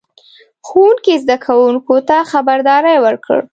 ښوونکي زده کوونکو ته خبرداری ورکړ.